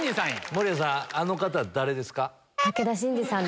守屋さんあの方誰ですか？